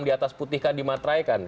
diatas putihkan dimatraikan